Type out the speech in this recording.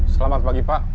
selamat pagi pak